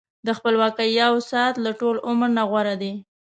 د خپلواکۍ یو ساعت له ټول عمر نه غوره دی.